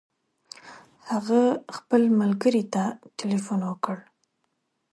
هغه خپل ملګري ته تلیفون وکړ.